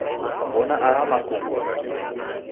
Kwaw'ona aha makungu?